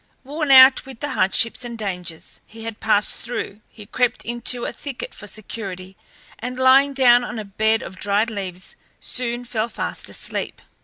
Worn out with the hardships and dangers he had passed through he crept into a thicket for security, and, lying down on a bed of dried leaves, soon fell fast asleep.